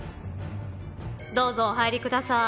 どうぞお入りください